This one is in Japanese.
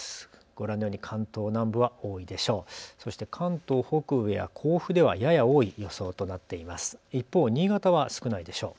ご覧のように関東南部は多いでしょう。